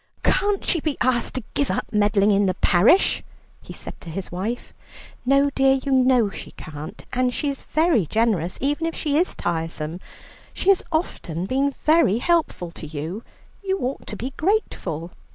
"Can't she be asked to give up meddling in the parish?" he said to his wife. "No dear, you know she can't, and she is very generous, even if she is tiresome. She has often been very helpful to you. You ought to be grateful."